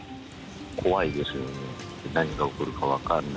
怖いですよね。